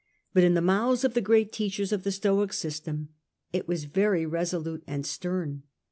But in the mouths of the great teachers of the Stoic system it was very resolute and stern.